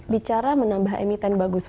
bicara menambah imitin bagus pak